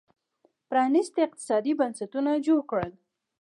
پرانېستي اقتصادي بنسټونه جوړ کړل